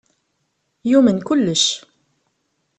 Yumen kullec.